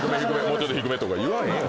もうちょっと低め」とか言わへんよ。